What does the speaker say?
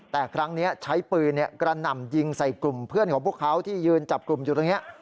แต่ครั้งนี้ใช้ปืนกระหน่ำยิงใส่กลุ่มเพื่อนของพวกเขาที่ยืนจับกลุ่มอยู่ตรงนี้